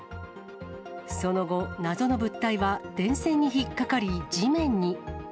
その後、謎の物体は電線に引っ掛かり地面に。